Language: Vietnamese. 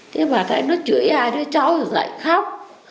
thế bà thấy nó chửi ai đó cháu nó dậy khóc